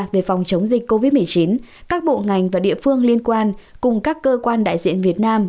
về phòng chống dịch covid một mươi chín các bộ ngành và địa phương liên quan cùng các cơ quan đại diện việt nam